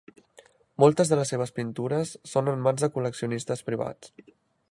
Moltes de les seves pintures són en mans de col·leccionistes privats.